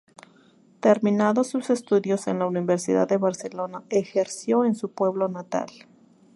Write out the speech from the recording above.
Terminados sus estudios en la Universidad de Barcelona, ejerció en su pueblo natal.